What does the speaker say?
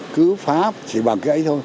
cứ phá chỉ bằng cái ấy thôi